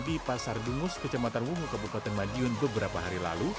di pasar dungus kecamatan wungu kabupaten madiun beberapa hari lalu